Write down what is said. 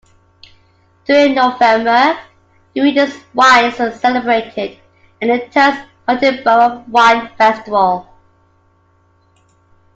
During November, the region's wines are celebrated in the Toast Martinborough wine festival.